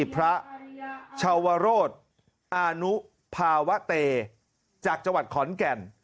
พระชาวโรธอานุภาวะเตจากจังหวัดขอนแก่น